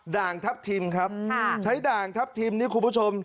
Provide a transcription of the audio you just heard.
ด่างทัพทิมครับใช้ด่างทัพทิมนี่คุณผู้ชม